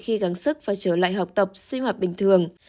khi gắng sức và trở lại học tập sinh hoạt bình thường